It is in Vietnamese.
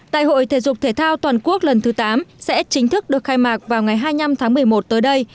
đại hội thể dục thể thao toàn quốc lần thứ tám sẽ chính thức được khai mạc vào ngày hai mươi năm tháng một mươi một tới đây